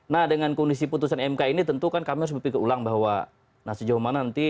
nah dengan kondisi putusan mk ini tentu kan kami harus berpikir ulang bahwa sejauh mana nanti